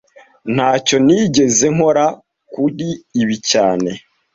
Ntacyo nigeze nkora kuri ibi cyane